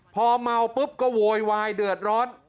พอเมาปุ๊บก็โวยวายเดือดร้อน